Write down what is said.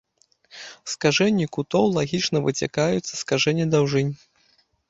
Скажэнні кутоў лагічна выцякаюць са скажэння даўжынь.